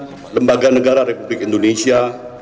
dan pimpinan lembaga negara republik indonesia